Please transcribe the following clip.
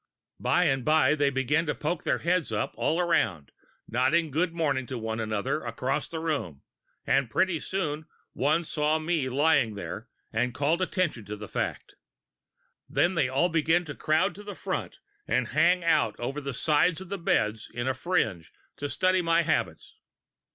By and by they began to poke their heads up all round, nodding good morning to one another across the room; and pretty soon one saw me lying there and called attention to the fact. Then they all began to crowd to the front and hang out over the sides of the beds in a fringe, to study my habits.